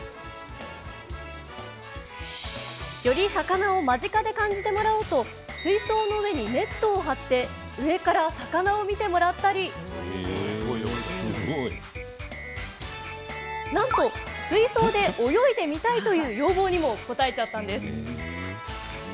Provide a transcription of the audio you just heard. より魚を間近で感じてもらおうと水槽の上にネットを張って上から魚を見てもらったりなんと、水槽で泳いでみたいという要望にも応えちゃったんです。